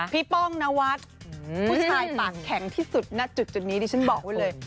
ป้องนวัดผู้ชายปากแข็งที่สุดณจุดนี้ดิฉันบอกไว้เลย